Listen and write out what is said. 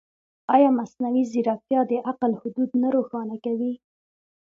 ایا مصنوعي ځیرکتیا د عقل حدود نه روښانه کوي؟